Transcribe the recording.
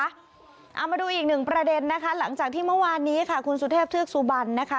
เอามาดูอีกหนึ่งประเด็นนะคะหลังจากที่เมื่อวานนี้ค่ะคุณสุเทพเทือกสุบันนะคะ